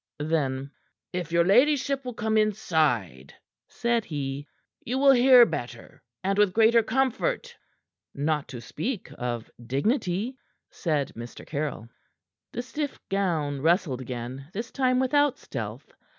Then: "If your ladyship will come inside," said he, "you will hear better and with greater comfort." "Not to speak of dignity," said Mr. Caryll. The stiff gown rustled again, this time without stealth.